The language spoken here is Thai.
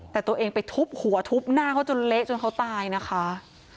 แต่ตัวเองไปทุบหัวทุบหน้าเขาจนเละจนเขาตายนะคะ